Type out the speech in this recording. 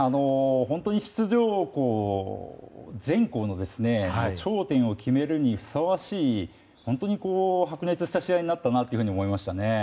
本当に出場校全校の頂点を決めるにふさわしい白熱した試合になったと思いましたね。